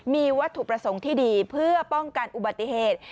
มีวัตถุประสงค์ที่ดีเพื่อป้องกันอุบัติเหตุ